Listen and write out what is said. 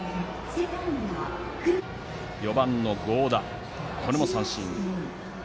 ４番の合田、これも三振。